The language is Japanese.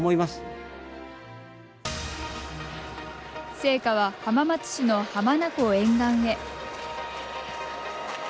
聖火は浜松市の浜名湖沿岸へ。